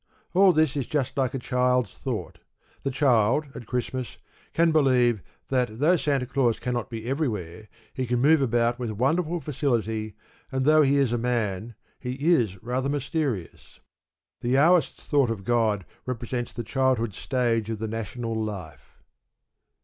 All this is just like a child's thought. The child, at Christmas, can believe that, though Santa Claus cannot be everywhere, he can move about with wonderful facility, and, though he is a man, he is rather mysterious. The Jahwist's thought of God represents the childhood stage of the national life.